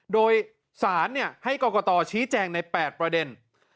โดยสารให้กรกตชี้แจงใน๘ประเด็น